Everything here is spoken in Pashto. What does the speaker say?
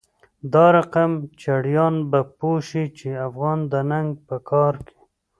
دادقم چړیان به پوه شی، چی افغان د ننګ په کار کی